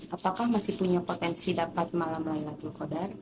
apakah masih punya potensi dapat malam laylatul qadar